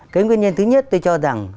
cái nguyên nhân thứ nhất tôi cho rằng